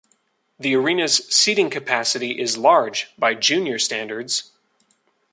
The arena's seating capacity is large by junior standards.